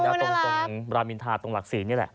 ตรงรามินทาตรงหลักศรีนี่แหละ